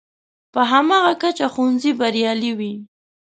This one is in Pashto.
په هماغه کچه ښوونځی بریالی وي.